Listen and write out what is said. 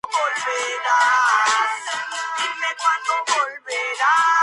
Profesor Universitario en la Universidad Nacional de Educación a Distancia.